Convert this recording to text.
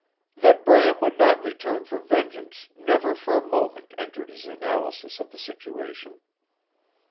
That Bram would not return for vengeance never for a moment entered his analysis of the situation.